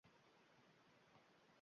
Xuddi, ertaklardagiday…